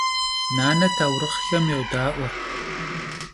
Nane taurıxhxem yoda'ue.